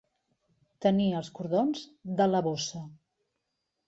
Tenir els cordons de la bossa.